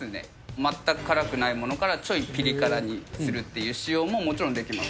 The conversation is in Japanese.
全く辛くないものからちょいピリ辛にするっていう仕様ももちろんできます。